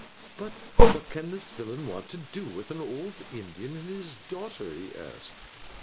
"But what can this villain want to do with an old Indian and his daughter?" he asked.